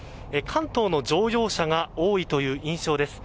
関東の乗用車が多いという印象です。